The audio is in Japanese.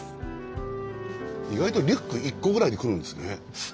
意外とリュック１個ぐらいで来るんですね。